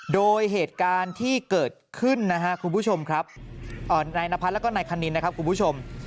โดยเหตุการณ์ที่เกิดขึ้นนะฮะคุณผู้ชมครับนายนพัฒน์แล้วก็นายคณินนะครับคุณผู้ชม